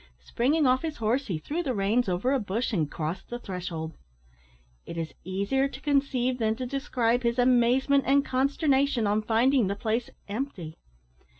Springing off his horse, he threw the reins over a bush and crossed the threshold. It is easier to conceive than to describe his amazement and consternation on finding the place empty.